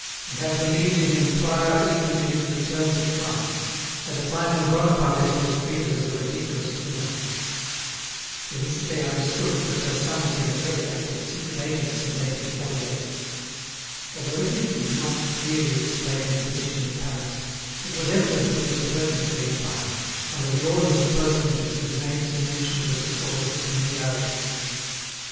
He had believed in him prior even to his return to France, at a time when Bonapartism was treated as a ridiculous chimera. Félicité understood that her son had been a very active secret agent since 1848. Although he did not clearly explain his position in Paris, it was evident that he was working for the Empire, under the orders of personages whose names he mentioned with a sort of familiarity.